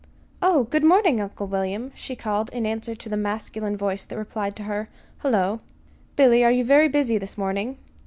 "Oh, good morning, Uncle William," she called, in answer to the masculine voice that replied to her "Hullo." "Billy, are you very busy this morning?"